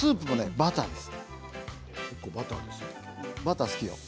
バター好きよ。